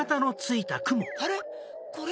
あれ？